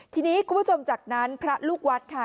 ทีนี้คุณผู้ชมจากนั้นพระลูกวัดค่ะ